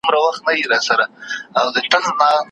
ټوټې ټوتې ښه یې ګرېوانه پر ما ښه لګیږي